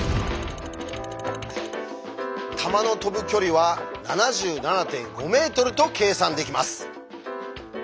弾の飛ぶ距離は７７．５ｍと計算できます。